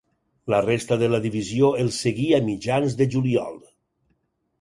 La resta de la divisió els seguí a mitjans de juliol.